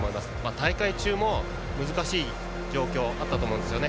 大会中も難しい状況はあったと思うんですね。